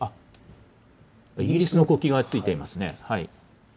イギリスの国旗がついていますね。